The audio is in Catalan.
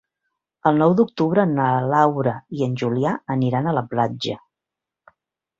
El nou d'octubre na Laura i en Julià aniran a la platja.